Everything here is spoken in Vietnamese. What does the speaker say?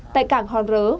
tại cảng hòn rớ